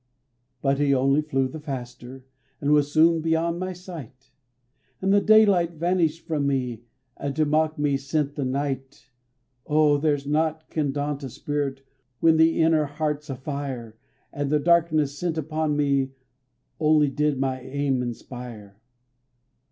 But he only flew the faster, and was soon beyond my sight; And the daylight vanished from me, and to mock me sent the night. O! there's naught can daunt a spirit when the inner heart's afire, And the darkness sent upon me only did my aim inspire.